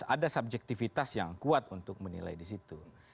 ada subjektivitas yang kuat untuk menilai di situ